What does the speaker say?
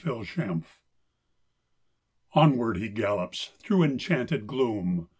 KNIGHT ERRANT Onward he gallops through enchanted gloom.